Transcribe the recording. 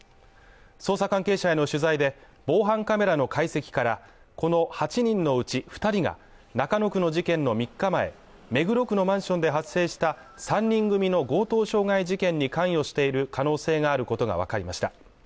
捜査関係者への取材で、防犯カメラの解析からこの８人のうち２人が中野区の事件の３日前、目黒区のマンションで発生した３人組の強盗傷害事件に関与している可能性があることがわかりました。